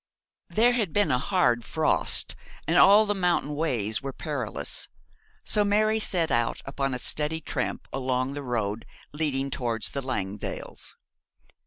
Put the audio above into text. There had been a hard frost, and all the mountain ways were perilous, so Mary set out upon a steady tramp along the road leading towards the Langdales.